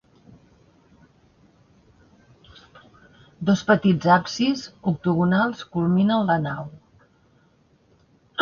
Dos petits absis octogonals culminen la nau.